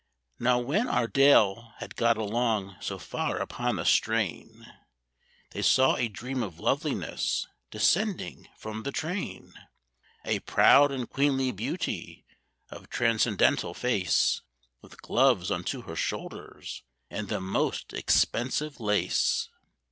Now when our Dale had got along so far upon the strain, They saw a Dream of Loveliness descending from the train, A proud and queenly beauty of a transcendental face, With gloves unto her shoulders, and the most expensive lace.